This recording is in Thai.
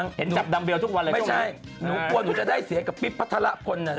คุณบำก็ดำพี่ช้างไม่ใช่หนูกลัวหนูจะได้เสียกับปิ๊บพระธาระคนนะ